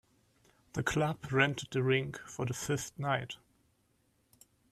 The club rented the rink for the fifth night.